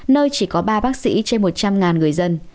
nơi chỉ có ba bác sĩ trên một trăm linh người dân